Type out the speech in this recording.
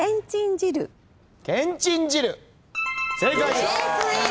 正解です。